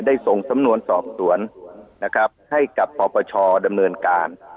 ได้ส่งสำนวนสอบสวนให้กับปปชดำเนินการ